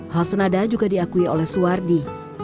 hal senada juga diakui oleh suwardi